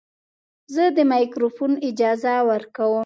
زه د مایکروفون اجازه ورکوم.